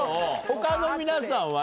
他の皆さんは？